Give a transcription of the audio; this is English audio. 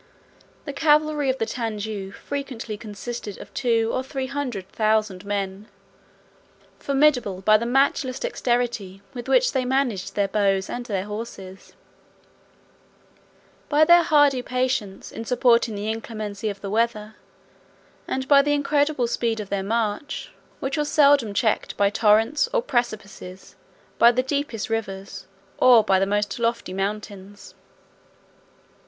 The cavalry of the Tanjou frequently consisted of two or three hundred thousand men, formidable by the matchless dexterity with which they managed their bows and their horses: by their hardy patience in supporting the inclemency of the weather; and by the incredible speed of their march, which was seldom checked by torrents, or precipices, by the deepest rivers, or by the most lofty mountains.